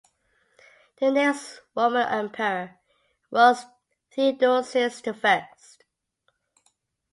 The next Roman Emperor was Theodosius the First.